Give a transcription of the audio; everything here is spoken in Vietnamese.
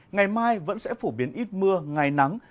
ngày mai vẫn sẽ phổ biến ít mưa ngày nắng